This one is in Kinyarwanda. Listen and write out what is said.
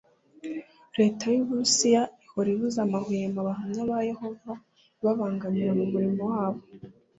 leta y u burusiya ihora ibuza amahwemo abahamya ba yehova ibabangamira mu murimo wabo